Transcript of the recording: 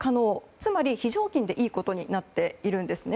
つまり非常勤でいいことになっているんですね。